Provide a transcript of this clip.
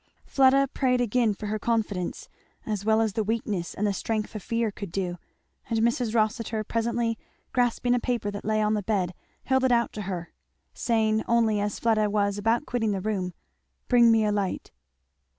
Fleda prayed again for her confidence, as well as the weakness and the strength of fear could do; and Mrs. Rossitur presently grasping a paper that lay on the bed held it out to her, saying only as Fleda was about quitting the room, "Bring me a light."